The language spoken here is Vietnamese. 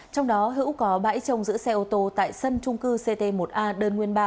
trong đó hữu có bãi trồng giữ xe ô tô tại sân trung cư ct một a đơn nguyên ba